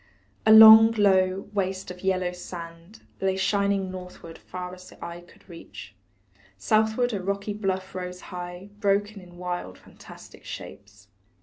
A long, low waste of yellow sand Lay shining northward far as eye could reach, Southward a rocky bluff rose high Broken in wild, fantastic shapes.